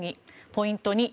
ポイント